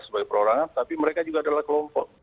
sebagai perorangan tapi mereka juga adalah kelompok